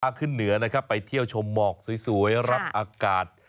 ถ้าขึ้นเหนือนะครับไปเที่ยวชมหมอกสวยรับอากาศ